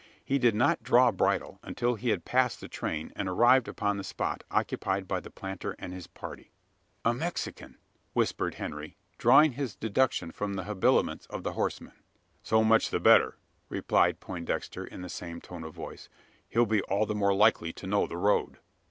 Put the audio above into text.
He did not draw bridle, until he had passed the train; and arrived upon the spot occupied by the planter and his party. "A Mexican!" whispered Henry, drawing his deduction from the habiliments of the horseman. "So much the better," replied Poindexter, in the same tone of voice; "he'll be all the more likely to know the road."